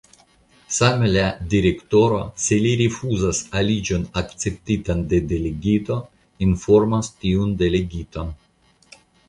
Same la Direktoro, se li rifuzis aliĝon akceptitan de Delegito, informas tiun Delegiton.